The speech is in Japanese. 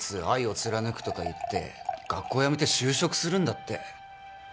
「愛を貫く」とか言って学校辞めて就職するんだって。